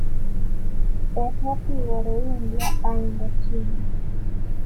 Es nativo de India a Indochina.